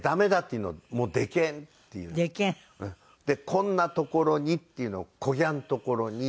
「こんな所に」っていうのを「こぎゃん所に」。